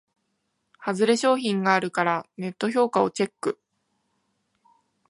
ハズレ商品があるからネット評価をチェック